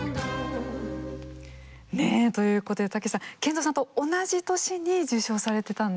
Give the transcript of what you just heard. ねえ。ということでたけしさん賢三さんと同じ年に受章されてたんですね。